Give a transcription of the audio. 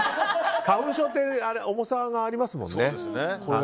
花粉症って重さがありますもんね。